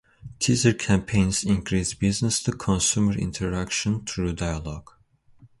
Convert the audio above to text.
Teaser campaigns increase business to consumer interaction through dialogue.